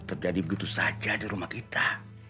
terjadi begitu saja di rumah kita